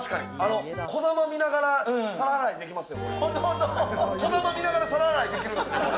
こだま見ながら皿洗いできますよ。